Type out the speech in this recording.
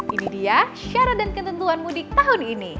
ini dia syarat dan ketentuan mudik tahun ini